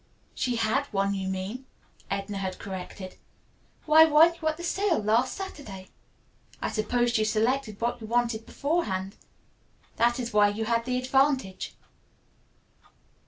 "She had one, you mean," Edna had corrected. "Why, weren't you at the sale last Saturday! I suppose you selected what you wanted beforehand. That is where you had the advantage."